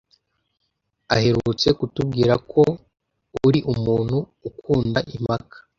aherutse kutubwira ko uri umuntu ukunda impaka,